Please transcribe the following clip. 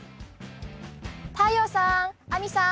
太陽さん亜美さん